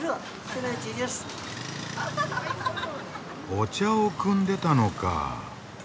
お茶をくんでたのか。